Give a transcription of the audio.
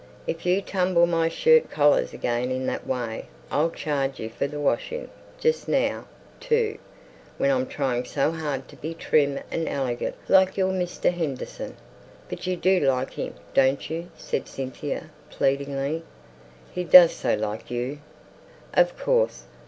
"If you tumble my shirt collars again in that way, I'll charge you for the washing. Just now, too, when I'm trying so hard to be trim and elegant, like your Mr. Henderson." "But you do like him, don't you?" said Cynthia, pleadingly. "He does so like you." "Of course.